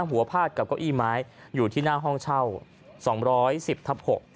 พาดกับเก้าอี้ไม้อยู่ที่หน้าห้องเช่า๒๑๐ทับ๖